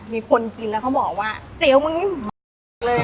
มีคนกินแล้วเขาบอกว่าเจ๋วมันนี้มาเลย